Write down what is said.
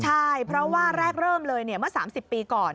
ใช่เพราะว่าแรกเริ่มเลยเมื่อ๓๐ปีก่อน